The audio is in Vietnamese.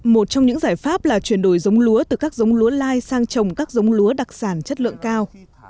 một trong những giải pháp là chuyển đổi giống lúa từ các giống lúa lai sang trồng các giống lúa đặc sản chất lượng cao